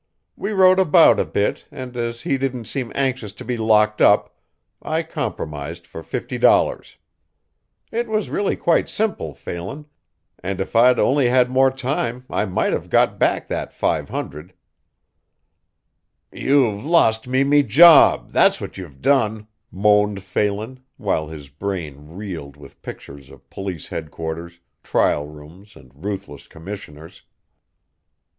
We rode about a bit and as he didn't seem anxious to be locked up, I compromised for fifty dollars. It was really quite simple, Phelan, and if I'd only had more time I might have got back that five hundred." [Illustration: "GIVE ME ME UNIFORM AN' LET ME GIT OUT OF HERE."] "You've lost me me job that's what you've done!" moaned Phelan, while his brain reeled with pictures of police headquarters, trial rooms and ruthless commissioners.